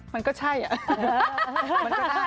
มันก็ใช่อ่ะมันก็ได้อ่ะ